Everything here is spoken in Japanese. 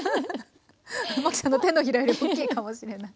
マキさんの手のひらより大きいかもしれない。